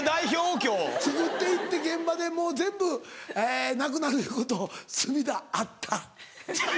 今日・作っていって現場でもう全部なくなること隅田あった？